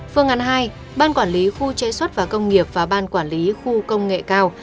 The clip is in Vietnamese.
phương án hai ban quản lý khu chế xuất và công nghiệp và ban quản lý khu công nghệ cao